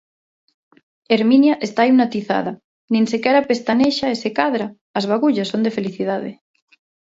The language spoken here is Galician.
Herminia está hipnotizada, nin sequera pestanexa e se cadra, as bagullas son de felicidade.